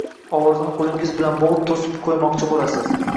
Ovozini qo‘lingiz bilan bo‘g‘ib to‘sib qo‘ymoqchi bo‘lasiz?